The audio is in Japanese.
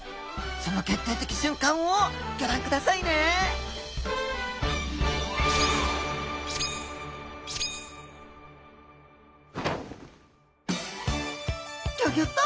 その決定的瞬間をギョ覧くださいねギョギョッと！